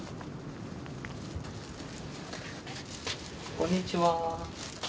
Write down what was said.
こんにちは。